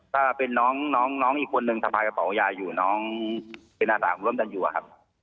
ใช่ครับเป็นน้องอีกคนนึงสะพายกระเป๋ายาอยู่น้องเป็นอาจารย์ร่วมกันอยู่ครับ